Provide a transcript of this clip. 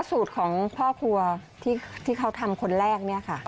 สูตรของพ่อครัวที่เขาทำคนแรกเนี่ยค่ะ